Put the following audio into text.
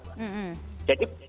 jadi pasarnya akan besar